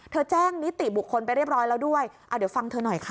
แจ้งนิติบุคคลไปเรียบร้อยแล้วด้วยเดี๋ยวฟังเธอหน่อยค่ะ